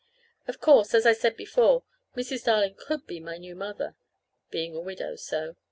Of course, as I said before, Mrs. Darling could be my new mother, being a widow, so.